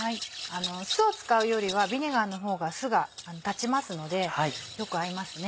酢を使うよりはビネガーの方が酢が立ちますのでよく合いますね。